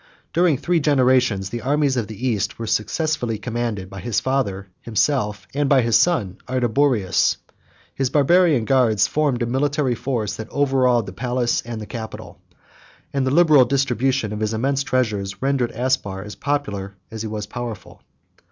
67 During three generations, the armies of the East were successively commanded by his father, by himself, and by his son Ardaburius; his Barbarian guards formed a military force that overawed the palace and the capital; and the liberal distribution of his immense treasures rendered Aspar as popular as he was powerful.